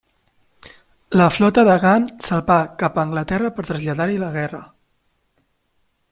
La flota de Gant salpà cap a Anglaterra per traslladar-hi la guerra.